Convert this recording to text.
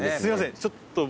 ちょっと僕。